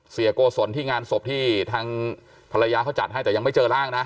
เสียโกศลที่งานศพที่ทางภรรยาเขาจัดให้แต่ยังไม่เจอร่างนะ